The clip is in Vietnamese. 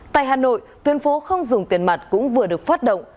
tại hà nội tuyến phố không dùng tiền mặt cũng vừa được phát động